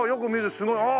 すごいああ！